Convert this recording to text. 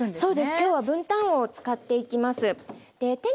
今日は文旦を使っていきます。